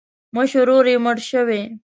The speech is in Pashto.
مشر ورور یې مړ شوی.